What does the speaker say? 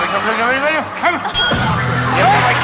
เฮ้ย